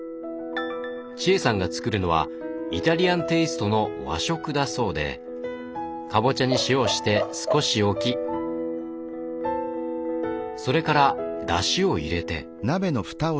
千恵さんが作るのはイタリアンテイストの和食だそうでかぼちゃに塩をして少し置きそれからだしを入れて。